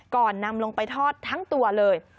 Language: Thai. ก่อนนำลงไปทอดทั้งตัวเลย